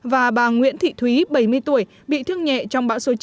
và bà nguyễn thị thúy bảy mươi tuổi bị thương nhẹ trong bão số chín